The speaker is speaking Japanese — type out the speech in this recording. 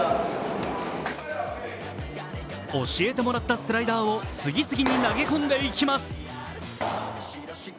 教えてもらったスライダーを次々に投げ込んでいきます。